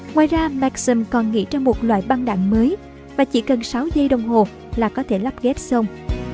ngoài ra maxim còn nghĩ ra một loại băng đạn mới và chỉ cần sáu giây đồng hồ là có thể lắp ghép xong